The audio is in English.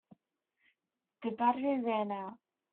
The battery ran out.